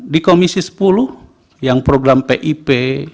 di komisi sepuluh yang program pip